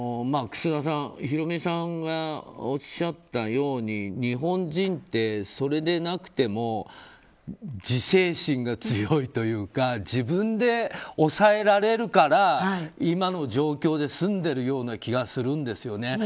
楠田さん、ヒロミさんがおっしゃったように日本人ってそれでなくても自制心が強いというか自分で抑えられるから今の状況で済んでるような気がするんですよね。